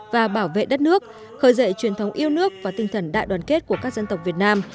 và bảo vệ đất nước khởi dậy truyền thống yêu nước và tinh thần đại đoàn kết của các dân tộc việt nam